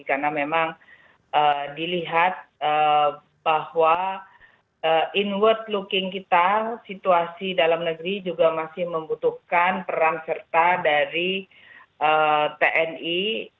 karena memang dilihat bahwa inward looking kita situasi dalam negeri juga masih membutuhkan perang serta dari tni